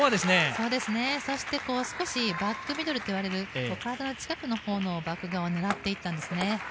そうですね、そして、少しバックミドルといわれる体の近くのバック側を狙っていったんですね。